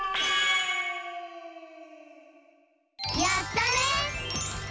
やったね！